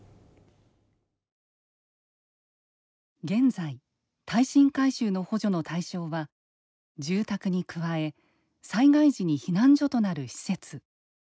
現在、耐震改修の補助の対象は住宅に加え災害時に避難所となる施設。